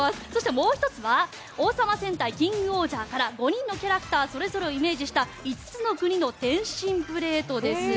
もう１つが「王様戦隊キングオージャー」から５人のキャラクターそれぞれをイメージした５つの国の点心プレートです。